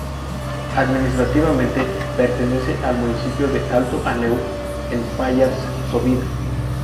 Administrativamente pertenece al municipio de Alto Aneu, en el Pallars Sobirá.